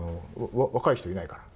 若い人、いないから。